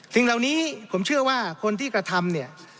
สิ่งเหล่านี้ผมเชื่อว่าคนที่กระทำเนี่ย